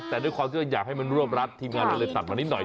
แต่ด้วยความที่ว่าอยากให้มันรวบรัดทีมงานเราเลยตัดมานิดหน่อย